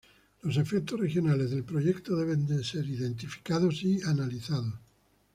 Los efectos regionales del proyecto deben ser identificados y analizados.